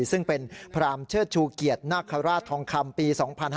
ซึ่งเป็นพรามเชิดชูเกียรตินาคาราชทองคำปี๒๕๕๙